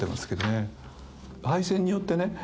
敗戦によってね